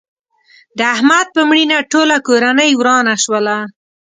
د احمد په مړینه ټوله کورنۍ ورانه شوله.